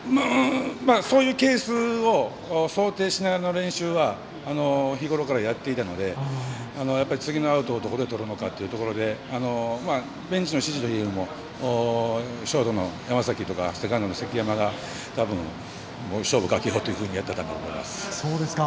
そういうケースを想定しながらの練習は日ごろからやっていたので次のアウトをどこでとるのかというところでベンチの指示というよりもショートの山崎とかセカンドの関山が勝負をかけようということでやってたんだと思います。